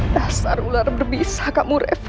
dasar ular berbisa kamu reva